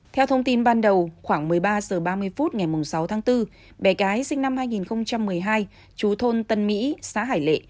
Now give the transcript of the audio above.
theo thông tin ban đầu khoảng một mươi ba h ba mươi phút ngày sáu tháng bốn bé gái sinh năm hai nghìn một mươi hai chú thôn tân mỹ xã hải lệ